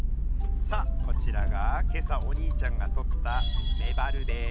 さあこちらが今朝お兄ちゃんがとったメバルです。